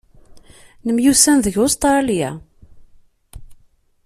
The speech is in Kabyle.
Nemyussan deg Ustṛalya.